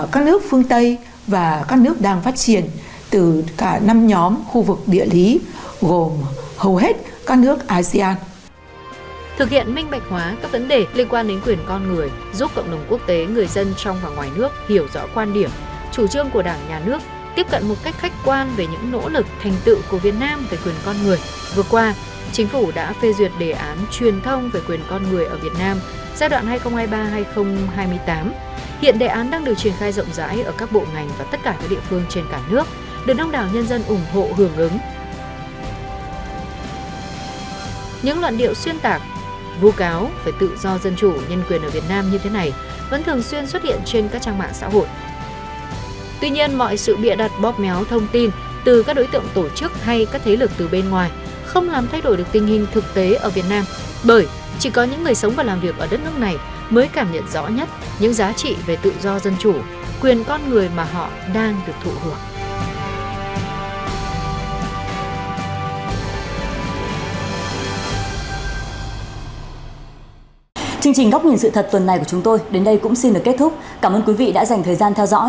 chỉ có những người sống và làm việc ở đất nước này mới cảm nhận rõ nhất những giá trị về tự do dân chủ quyền con người mà họ đang được thụ hưởng